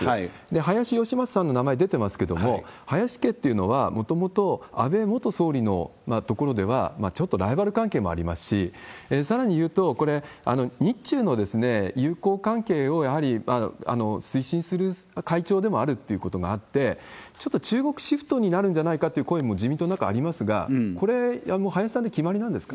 林芳正さんの名前出てますけども、林家っていうのは、もともと安倍元総理の所ではちょっとライバル関係もありますし、さらに言うと、これ、日中の友好関係をやはり推進する会長でもあるっていうことがあって、ちょっと中国シフトになるんじゃないかって声も、自民党の中にありますが、これ、林さんで決まりなんですか？